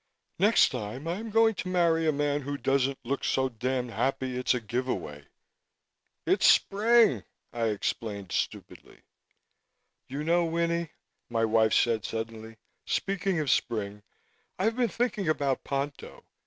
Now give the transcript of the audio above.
Next time I'm going to marry a man who doesn't look so damned happy it's a give away." "It's spring," I explained stupidly. "You know, Winnie," my wife said suddenly, "speaking of spring, I've been thinking about Ponto.